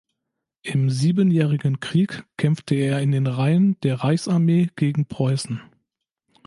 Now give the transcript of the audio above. Im Siebenjährigen Krieg kämpfte er in den Reihen der Reichsarmee gegen Preußen.